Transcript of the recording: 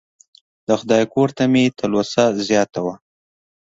د خدای کور ته مې تلوسه زیاته وه.